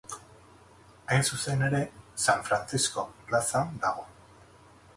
Hain zuzen ere, San Frantzisko plazan dago.